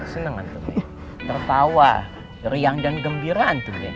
seneng seneng tertawa riang dan gembira